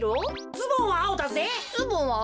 ズボンはあおだぜ。